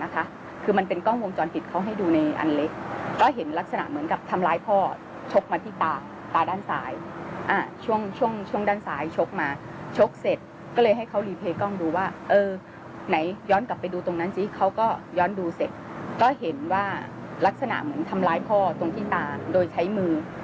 ท่านดูเสร็จก็เห็นว่ารักษณะเหมือนทำร้ายพ่อตรงที่ตาโดยใช้มือ